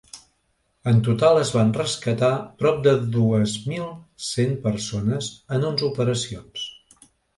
En total es van rescatar ‘prop de dues mil cent persones en onze operacions’.